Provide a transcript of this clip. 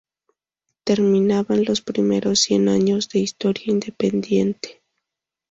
Terminaban los primeros cien años de historia independiente.